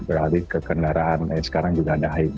beralih ke kendaraan eh sekarang juga ada aib